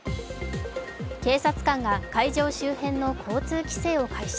警察官が会場周辺の交通規制を開始。